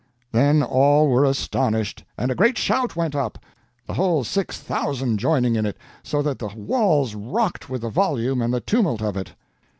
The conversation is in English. Then all were astonished, and a great shout went up, the whole six thousand joining in it, so that the walls rocked with the volume and the tumult of it."